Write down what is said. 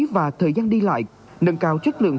và thời gian đi lại nâng cao chất lượng